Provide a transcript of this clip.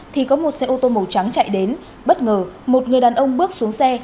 thì có một xe ô tô màu trắng chạy đến bất ngờ một người đàn ông bước xuống xe